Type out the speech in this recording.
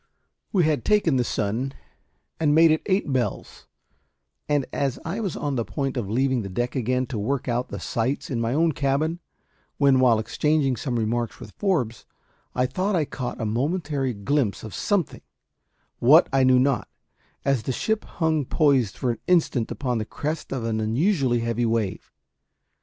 We had taken the sun, and made it eight bells, and I was on the point of leaving the deck again to work out the sights in my own cabin, when, while exchanging some remarks with Forbes, I thought I caught a momentary glimpse of something what, I knew not as the ship hung poised for an instant upon the crest of an unusually heavy wave.